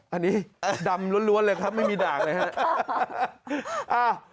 อันนี้ดำล้วนเลยครับไม่มีด่างเลยครับ